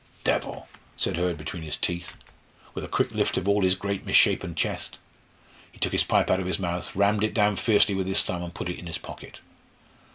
"Devil!" said Hurd between his teeth, with a quick lift of all his great misshapen chest. He took his pipe out of his mouth, rammed it down fiercely with his thumb, and put it in his pocket.